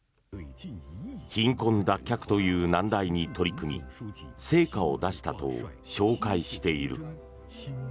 貧困脱却という難題に取り組み成果を出したと紹介している。